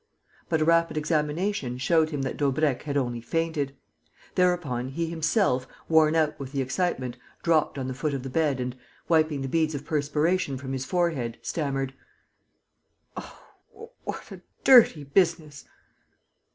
But a rapid examination showed him that Daubrecq had only fainted. Thereupon, he himself, worn out with the excitement, dropped on the foot of the bed and, wiping the beads of perspiration from his forehead, stammered: "Oh, what a dirty business!"